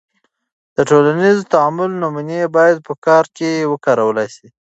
د ټولنیز تعامل نمونې باید په کار کې وکارول سي.